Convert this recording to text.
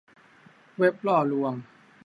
เว็บล่อลวง